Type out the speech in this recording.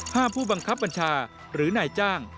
ผู้บังคับบัญชาหรือนายจ้าง